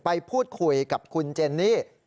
ไปพูดคุยกับคุณเจนนี่